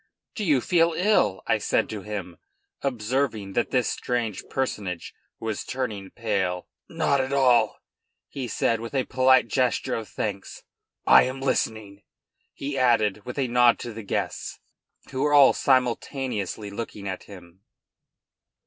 "Do you feel ill?" I said to him, observing that this strange personage was turning pale. "Not at all," he said with a polite gesture of thanks. "I am listening," he added, with a nod to the guests, who were all simultaneously looking at him.